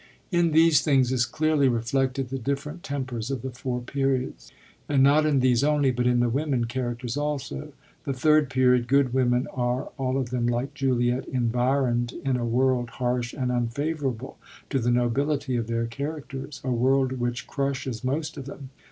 In these things is clearly reflected the diflFerent tem pers of the Four Periods ; and not in these only, but in the women characters also. The Third Period good women are, all of them, like Juliet, environd in a world, harsh and unfavorable to the nobility of their charac ters, — a world which crushes most of them.